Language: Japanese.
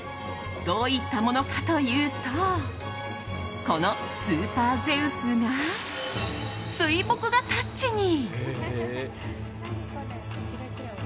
どういったものかというとこのスーパーゼウスが水墨画タッチに。